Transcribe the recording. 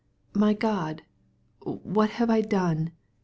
"My God! what have I done?